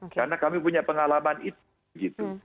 karena kami punya pengalaman itu